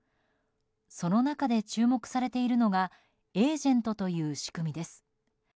その中で注目されているのがエージェントという仕組みです。